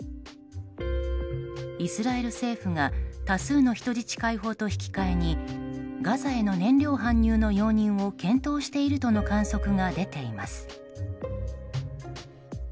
イスラエル政府が多数の人質解放と引き換えにガザへの燃料搬入の容認を検討しているとの観測が出ています。